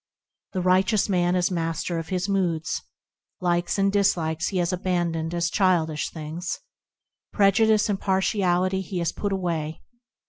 The righteous man is master of his moods ; Likes and dislikes he has abandoned as childish things; Prejudice and partiality he has put away.